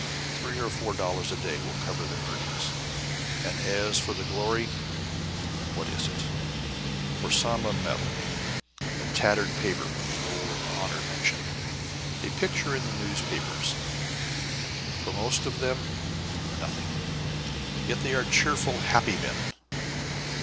Three or four dollars a day will cover their earnings, and as for the glory, what is it? For some a medal, a tattered paper with roll of honor mention, a picture in the newspapers; for most of them nothing. Yet they are cheerful, happy men.